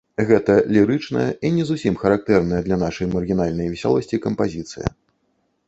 Гэта лірычная і не зусім характэрная для нашай маргінальнай весялосці кампазіцыя.